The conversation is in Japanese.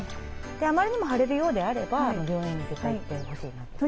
あまりにも腫れるようであれば病院に絶対行ってほしいなと。